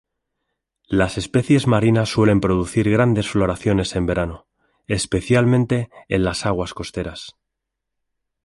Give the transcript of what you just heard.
Las especies marinas suelen producir grandes floraciones en verano, especialmente en las aguas costeras.